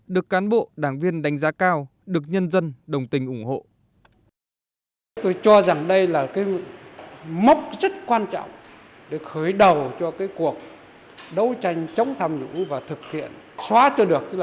được cán bộ đảng viên đánh giá cao được nhân dân đồng tình ủng hộ